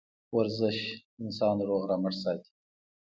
ورزش انسان روغ رمټ ساتي